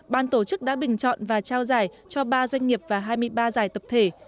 ban tổ chức đã bình chọn và trao giải cho ba doanh nghiệp và hai mươi ba giải tập thể